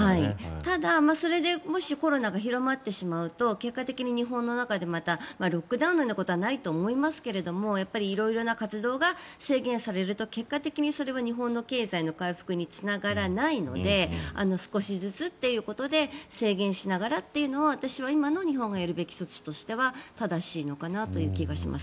ただ、それでもしコロナが広まってしまうと結果的に日本の中でロックダウンのようなことはないと思いますが色々な活動が制限されると結果的にそれは日本の経済の回復につながらないので少しずつということで制限しながらというのを私は今の日本がやるべき措置としては正しいのかなという気がします。